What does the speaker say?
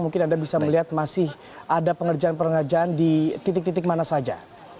mungkin anda bisa melihat masih ada pengerjaan pengerjaan di titik titik mana saja